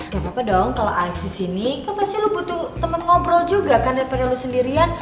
gak apa apa dong kalo alex disini kan pasti lo butuh temen ngobrol juga kan daripada lo sendirian